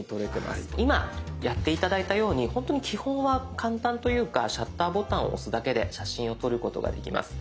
今やって頂いたように本当に基本は簡単というかシャッターボタンを押すだけで写真を撮ることができます。